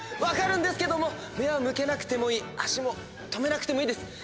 分かるんですけども目は向けなくてもいい足も止めなくてもいいです。